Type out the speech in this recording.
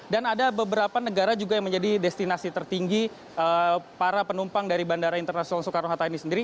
dan ada beberapa negara juga yang menjadi destinasi tertinggi para penumpang dari bandara internasional soekarno hatta ini sendiri